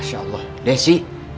masya allah desy